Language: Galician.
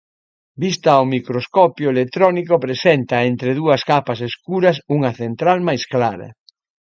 Vista ao microscopio electrónico presenta entre dúas capas escuras unha central máis clara.